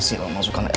sisi rumah ini